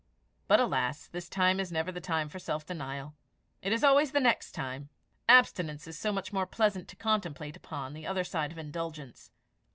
But alas! this time is never the time for self denial; it is always the next time. Abstinence is so much more pleasant to contemplate upon the other side of indulgence!